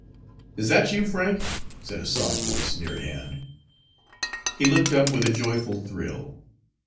"Is that you, Frank?" said a soft voice near at hand. He looked up with a joyful thrill.